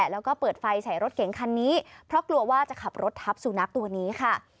แล้วก็เปิดไฟใส่รถเก๋งคันนี้เพราะกลัวว่าจะขับรถทับสุนัขตัวนี้ค่ะ